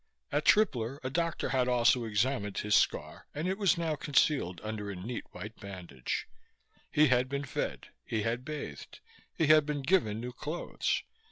At Tripler a doctor had also examined his scar and it was now concealed under a neat white bandage; he had been fed; he had bathed; he had been given new clothes.